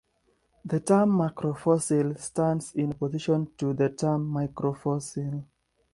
The term "macrofossil" stands in opposition to the term microfossil.